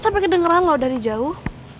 sampai kedengeran loh dari jauh